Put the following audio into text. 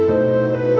kau bang tu